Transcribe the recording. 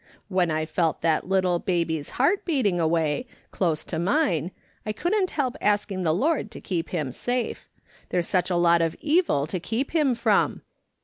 When I felt that little baby's heart beating away, close to mine, I couldn't help asking the Lord to keep him safe ; there's such a lot of evil to keep him from